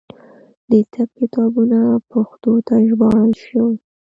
د طب کتابونه پښتو ته ژباړل شوي.